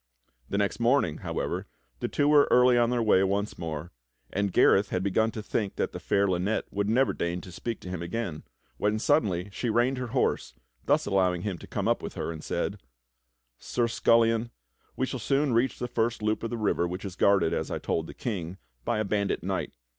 The next morning, however, the two were early on their way once more, and Gareth had begun to think that the fair Lynette would never deign to speak to him again, when suddenly she reined her horse, thus allowing him to come up with her, and said: 'Sir Scullion, we shall scon reach the first loop of the river which is guarded, as I told the King, by a bandit knight.